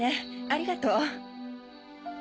ありがとう。